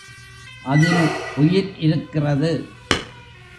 அதில் உயிர் இருக்கிறது.